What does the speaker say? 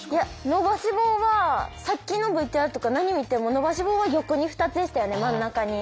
伸ばし棒はさっきのＶＴＲとか何見ても伸ばし棒は横に２つでしたよね真ん中に。